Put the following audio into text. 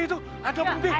aduh airnya berhenti